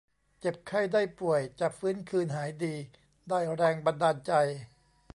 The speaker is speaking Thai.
เจ็บไข้ได้ป่วยจะฟื้นคืนหายดี ได้แรงบันดาลใจ